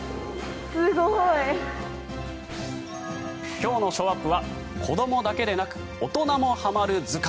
今日のショーアップは子どもだけでなく大人もはまる図鑑。